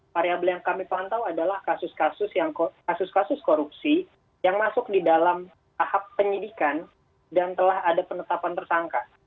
variabel yang kami pantau adalah kasus kasus korupsi yang masuk di dalam tahap penyidikan dan telah ada penetapan tersangka